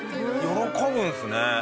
喜ぶんですね。